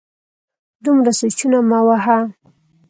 دومره سوچونه مه وهه